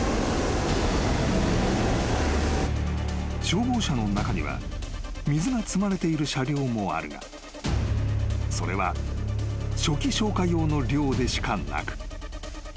［消防車の中には水が積まれている車両もあるがそれは初期消火用の量でしかなく］